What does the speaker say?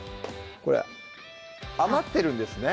これ余ってるんですね